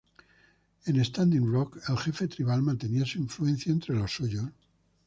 En Standing Rock, el jefe tribal mantenía su influencia entre los suyos.